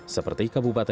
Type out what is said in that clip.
seperti kabupaten kusuma